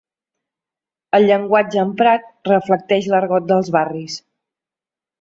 El llenguatge emprat reflecteix l'argot dels barris.